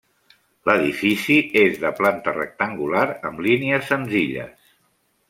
L'edifici és de planta rectangular, amb línies senzilles.